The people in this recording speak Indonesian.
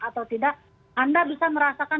atau tidak anda bisa merasakan